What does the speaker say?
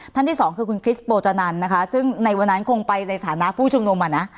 ที่สองคือคุณคริสโปจานันนะคะซึ่งในวันนั้นคงไปในฐานะผู้ชุมนุมอ่ะนะ